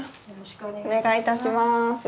お願いいたします。